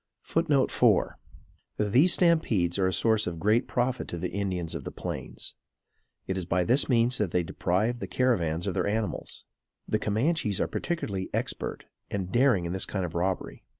[Footnote 4: These stampedes are a source of great profit to the Indians of the Plains. It is by this means they deprive the caravans of their animals. The Camanches are particularly expert and daring in this kind of robbery.